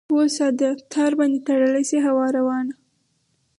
وساده ! تار باندې تړلی شي هوا روانه ؟